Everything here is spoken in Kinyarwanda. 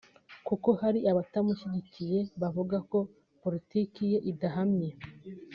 Kuba hari abatamushyigikiye bavuga ko Politiki ye idahamye